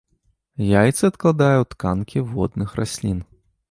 Яйцы адкладае ў тканкі водных раслін.